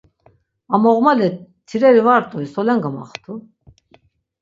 Am oğmale tireri va rt̆ui, solen gamaxtu?